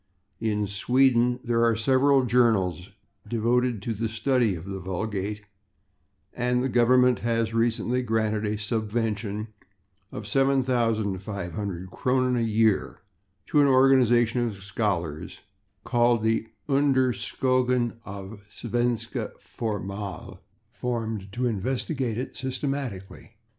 In Sweden there are several journals devoted to the study of the vulgate, and the government has recently granted a subvention of 7500 /kronen/ a year to an organization of scholars called the Undersökningen av Svenska Folkmaal, formed to investigate it systematically.